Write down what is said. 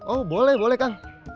oh boleh boleh kang